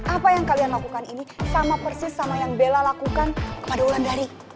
apa yang kalian lakukan ini sama persis sama yang bella lakukan kepada wulandari